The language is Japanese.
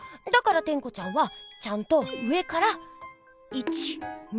だからテンコちゃんはちゃんとうえから１２３。